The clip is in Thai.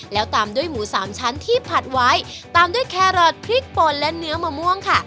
แล้วตามด้วยหมูสามชั้นที่ผัดไว้ตามด้วยแครอทพริกปนและเนื้อมะม่วงค่ะ